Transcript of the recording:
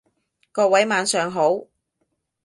各位晚上好